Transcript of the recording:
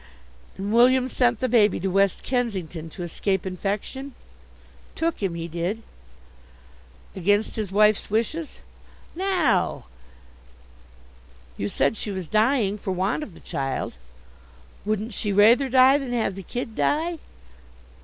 "And William sent the baby to West Kensington to escape infection?" "Took him, he did." "Against his wife's wishes?" "Na o!" "You said she was dying for want of the child?" "Wouldn't she rayther die than have the kid die?"